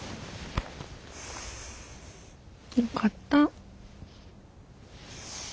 よかった。